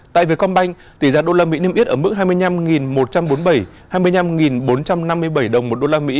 tại việt công banh tỷ giá đô la mỹ niêm yết ở mức hai mươi năm một trăm bốn mươi bảy hai mươi năm bốn trăm năm mươi bảy đồng một đô la mỹ